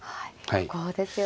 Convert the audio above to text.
ここですよね。